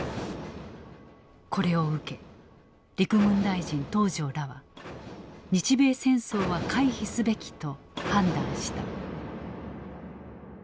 これを受け陸軍大臣東條らは日米戦争は回避すべきと判断した。